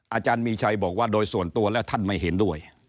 อาจารย์มีชัยบอกว่าโดยส่วนตัวและท่านไม่เห็นด้วย